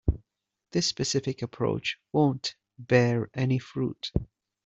This specific approach won't bear any fruit.